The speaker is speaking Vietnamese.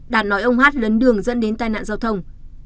đạt nói ông hát lấn đường dẫn đến tai nạn giao thông